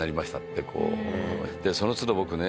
でその都度僕ね